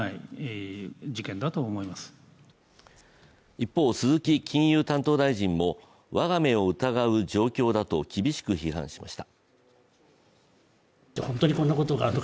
一方、鈴木金融担当大臣も我が目を疑う状況だと厳しく批判しました。